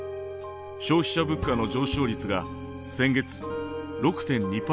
消費者物価の上昇率が先月６．２％を記録。